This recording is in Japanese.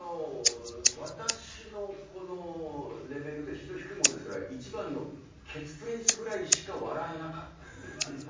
私のこのレベルって非常に低いもんですから一番の「ケツＰｒｉｎｃｅ」ぐらいしか笑えなかったっていう。